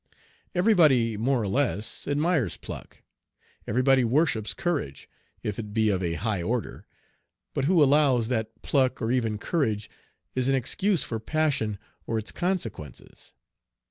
Everybody more or less admires pluck. Everybody worships courage, if it be of a high order, but who allows that pluck or even courage is an excuse for passion or its consequences?